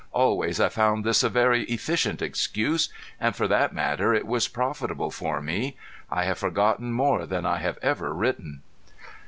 Always I found this a very efficient excuse, and for that matter it was profitable for me. I have forgotten more than I have ever written.